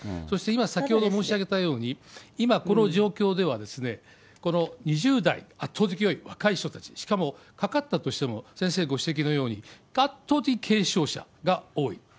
そして今、先ほど申し上げたように、今この状況ではですね、この２０代、圧倒的に多い若い人たち、しかもかかったとしても、先生ご指摘のように、圧倒的に軽症者が多い。